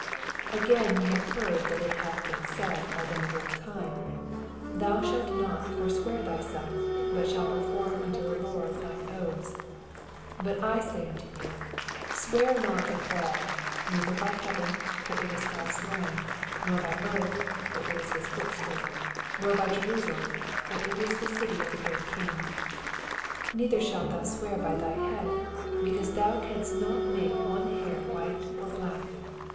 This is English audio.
88 A£[ain, ye have heard that it hath been said by them of old time, Thoa ahaJt not fbnwear thvself, bat ahall perform anto the Lora thine oaths: 84 Bat I say anto yoa, Swear nol at all ; neither by heaven ; for it ia Gk>d^B throne : 85 Nor by the earth ; for it is his footstool : neither by Jerasalem ; for it is the city of the mat King. 86 Neither ahalt tnou swear by thy head, becaaae thoa canst not make one hair white or black.